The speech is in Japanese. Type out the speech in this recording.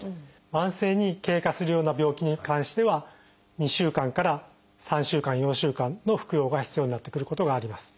慢性に経過するような病気に関しては２週間から３週間４週間の服用が必要になってくることがあります。